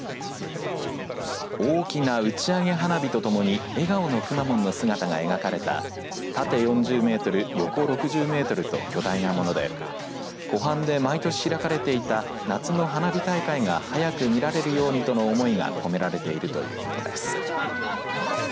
大きな打ち上げ花火とともに笑顔のくまモンの姿が描かれた縦４０メートル横６０メートルと巨大なもので湖畔で毎年開かれていた夏の花火大会が早く見られるようにとの思いが込められているということです。